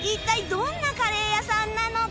どんなカレー屋さんなのか？